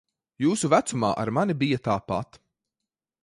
Jūsu vecumā ar mani bija tāpat.